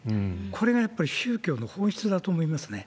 これがやっぱり宗教の本質だと思いますね。